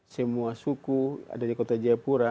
semua suku ada di kota jayapura